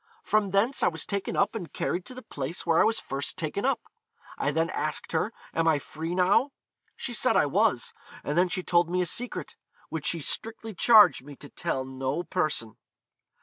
From thence I was taken up and carried to the place where I was first taken up. I then asked her, Am I free now? She said I was; and then she told me a secret, which she strictly charged me to tell no person.'